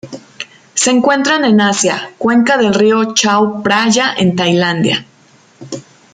Se encuentran en Asia: cuenca del río Chao Phraya en Tailandia.